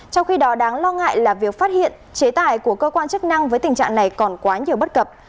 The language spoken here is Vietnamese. trong khi đó đáng lo ngại là việc phát hiện chế tài của cơ quan chức năng với tình trạng này còn quá nhiều bất cập